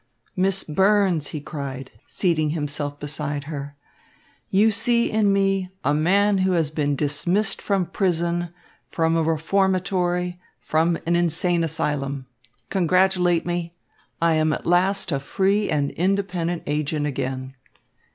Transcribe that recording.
"Miss Burns," he cried, seating himself beside her, "you see in me a man who has been dismissed from prison, from a reformatory, from an insane asylum. Congratulate me! I am at last a free and independent agent again."